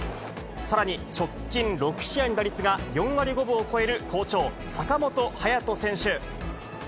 さらに直近６試合の打率が４割５分を超える好調、坂本勇人選手。